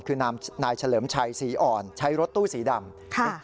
คือนายเฉลิมชัยศรีอ่อนใช้รถตู้สีดำ